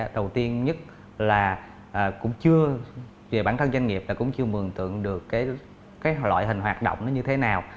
đầu tiên nhất là cũng chưa về bản thân doanh nghiệp là cũng chưa mường tượng được cái loại hình hoạt động nó như thế nào